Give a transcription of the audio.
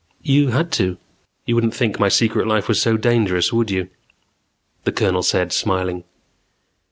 "You had to." "You wouldn't think my secret life was so dangerous, would you," the Colonel said smiling.